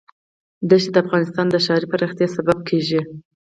دښتې د افغانستان د ښاري پراختیا سبب کېږي.